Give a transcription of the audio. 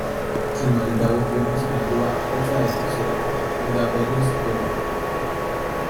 Klimari dagokionez, negua hotza eta hezea da; uda, berriz, beroa.